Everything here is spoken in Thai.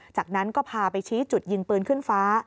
จากนั้นก็พาไปชี้จุดยิงปืนขึ้นฟ้า